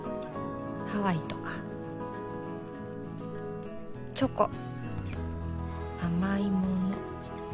ハワイとかチョコ甘いもの